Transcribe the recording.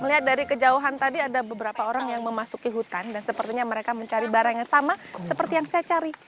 melihat dari kejauhan tadi ada beberapa orang yang memasuki hutan dan sepertinya mereka mencari barang yang sama seperti yang saya cari